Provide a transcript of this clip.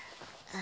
あ。